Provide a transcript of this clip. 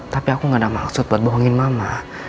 tapi aku tidak ada maksud untuk membohong mama